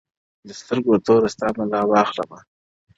د سترگو توره سـتــا بـلا واخلـمـه _